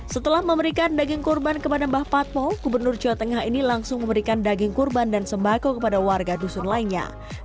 setelah memberikan daging kurban kepada mbah patmo gubernur jawa tengah ini langsung memberikan daging kurban dan sembako kepada warga dusun lainnya